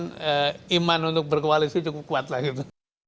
dan iman untuk berkoalisi cukup kuat lah gitu